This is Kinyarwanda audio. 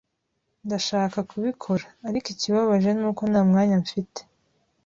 Ndashaka kubikora, ariko ikibabaje nuko nta mwanya mfite.